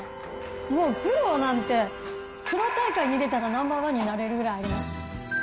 もう苦労なんて、苦労大会に出たらナンバーワンになれるぐらいあります。